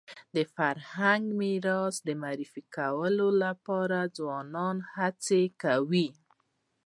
د فرهنګي میراث د معرفي کولو لپاره ځوانان هڅي کوي.